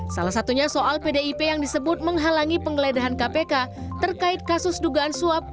salah satunya soal pdip yang disebut menghalangi penggeledahan kpk terkait kasus dugaan suap